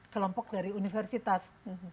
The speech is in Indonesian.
kelompok dari universitas